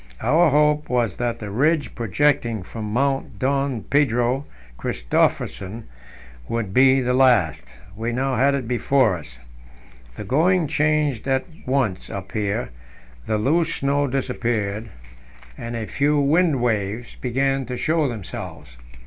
Our hope was that the ridge projecting from Mount Don Pedro Christophersen would be the last; we now had it before us. The going changed at once up here; the loose snow disappeared, and a few wind waves (sastrugi) began to show themselves.